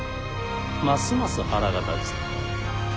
ますます腹が立つ。